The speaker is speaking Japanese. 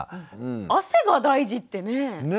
汗が大事ってね。ね！